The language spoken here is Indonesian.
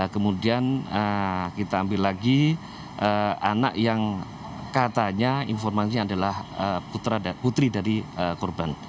kemudian kita ambil lagi anak yang katanya informasinya adalah putri dari korban